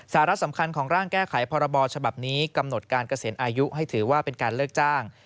สาระสำคัญของร่างแก้ไขพรบฉบับนี้กำหนดการเกษียณอายุให้ถือว่าเป็นการเลิกจ้าง